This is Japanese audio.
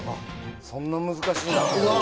そんな難しいんだ。